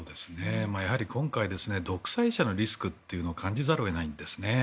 今回独裁者のリスクというのを感じざるを得ないんですね。